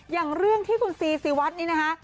อย่างเรื่องที่คุณซีซีวัดนี้นะคะ